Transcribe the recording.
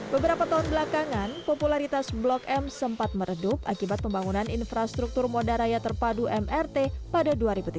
beberapa tahun belakangan popularitas blok m sempat meredup akibat pembangunan infrastruktur moda raya terpadu mrt pada dua ribu tiga belas